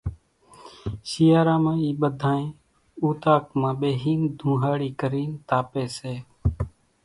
شيئارا مان اِي ٻڌانئين اُوطاق مان ٻيۿينَ ڌونۿاڙِي ڪرينَ تاپيَ سي۔